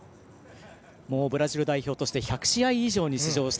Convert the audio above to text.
ブラジル代表として１００試合以上に出場。